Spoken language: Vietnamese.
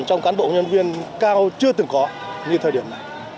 trong cán bộ nhân viên cao chưa từng có như thời điểm này